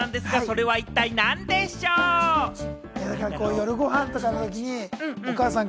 夜ご飯とかのときにお母さん